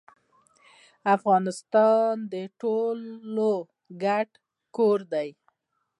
افغانستان د ټولو ګډ کور دي.